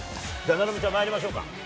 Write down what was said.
菜波ちゃん、まいりましょうか。